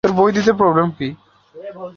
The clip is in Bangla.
সে কি তোমার শিক্ষিকা?